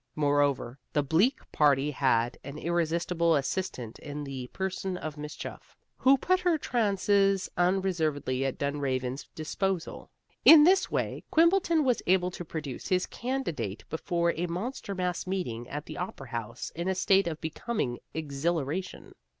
Moreover, the Bleak party had an irresistible assistant in the person of Miss Chuff, who put her trances unreservedly at Dunraven's disposal. In this way Quimbleton was able to produce his candidate before a monster mass meeting at the Opera House in a state of becoming exhilaration.